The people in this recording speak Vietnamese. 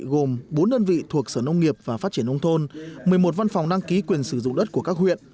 gồm bốn đơn vị thuộc sở nông nghiệp và phát triển nông thôn một mươi một văn phòng đăng ký quyền sử dụng đất của các huyện